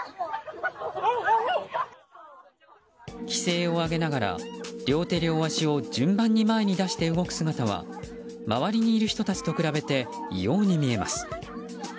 奇声を上げながら、両手両足を順番に前に出して動く姿は周りにいる人たちと比べて異様に見えます。